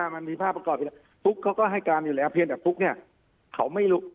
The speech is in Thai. มันมีภาพประกอบอยู่แล้วฟุ๊กเขาก็ให้การอยู่แล้วเพียงแต่ฟุ๊กเนี่ยเขาไม่รู้